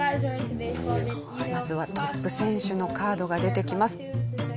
まずはトップ選手のカードが出てきます。